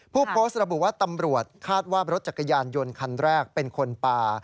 ผู้โพสต์ระบุว่าตำรวจคาดว่ารถจักรยานยนต์คันแรกเป็นคนป่า